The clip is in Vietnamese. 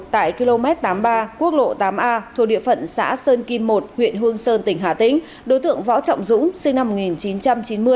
tại km tám mươi ba quốc lộ tám a thuộc địa phận xã sơn kim một huyện hương sơn tỉnh hà tĩnh đối tượng võ trọng dũng sinh năm một nghìn chín trăm chín mươi